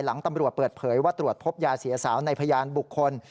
ตำรวจเปิดเผยว่าตรวจพบยาเสียสาวในพยานบุคคล